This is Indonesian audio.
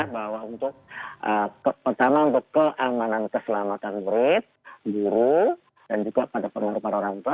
bahwa untuk pertama keamanan keselamatan murid guru dan juga pada penuh para orang tua